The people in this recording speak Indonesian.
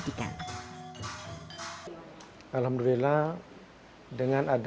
airly juga ingin menyampaikan betapa pentingnya ilmu kesenian menari